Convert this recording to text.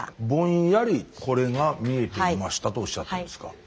ぼんやりこれが見えていましたとおっしゃったんですか。